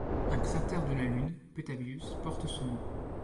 Un cratère de la Lune, Petavius porte son nom.